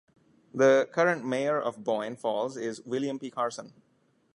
The current Mayor of Boyne Falls is William P. Carson.